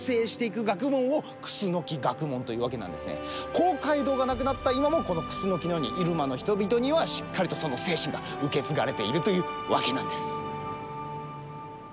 公会堂がなくなった今もこのクスノキのように入間の人々にはしっかりとその精神が受け継がれているというわけなんです。